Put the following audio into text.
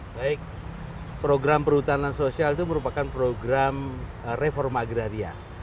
baik program perhutanan sosial itu merupakan program reforma agraria